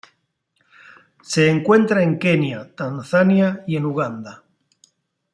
Se encuentra en Kenia, Tanzania y en Uganda.